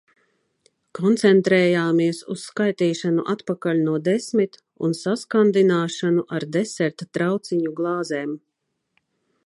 Koncentrējāmies uz skaitīšanu atpakaļ no desmit un saskandināšanu ar deserta trauciņu glāzēm.